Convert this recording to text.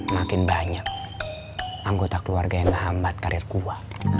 makin banyak anggota keluarga yang ngehambat karir gua